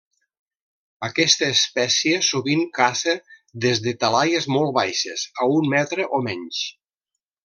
Aquesta espècie sovint caça des de talaies molt baixes, a un metre o menys.